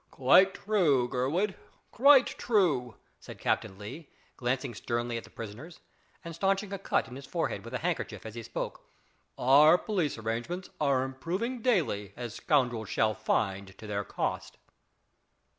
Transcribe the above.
"Quite true, Gurward, quite true," said Captain Lee, glancing sternly at the prisoners, and stanching a cut in his forehead with a handkerchief as he spoke; "our police arrangements are improving daily, as scoundrels shall find to their cost."